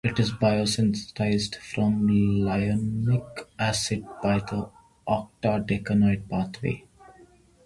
It is biosynthesized from linolenic acid by the octadecanoid pathway.